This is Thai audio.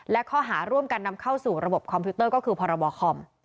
และข้อหาร่วมกันนำเข้าสู่ระบบคอมพิวเตอร์ก็คือพรบคอม